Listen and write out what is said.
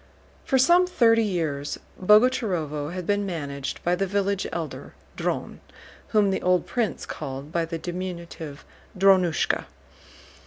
For some thirty years Boguchárovo had been managed by the village Elder, Dron, whom the old prince called by the diminutive "Drónushka."